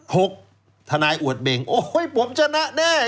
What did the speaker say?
หกถนายอวดเบงโอ้โฮผมชนะแน่